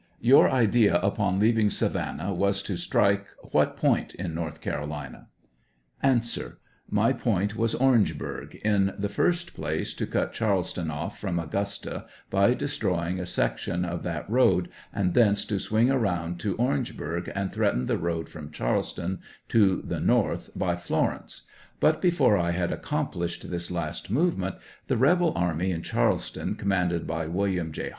Your idea upon leaving Savannah was to strike what point in North Carolina ? 80 A. My point was Orangeburg; in the first place to cut Charlestt>n off from Augusta by destroying a sec tion of that road, and thence to swing around to Orangeburg and threaten the road from Charleston to the north by Florence; but before I had accomplished this last movement the rebel army in Charleston, com manded by William J.